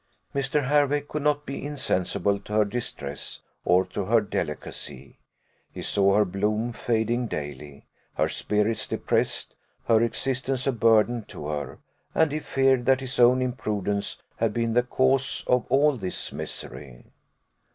Mr. Hervey could not be insensible to her distress or to her delicacy. He saw her bloom fading daily, her spirits depressed, her existence a burden to her, and he feared that his own imprudence had been the cause of all this misery.